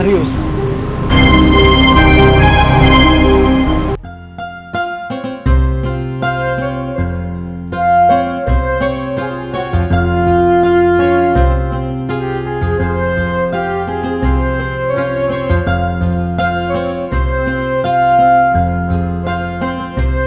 pintar jalan kasar